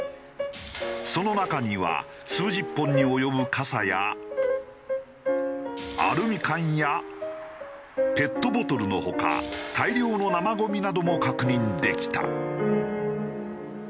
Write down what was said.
その中には数十本に及ぶ傘やアルミ缶やペットボトルの他大量の生ゴミなども確認できた。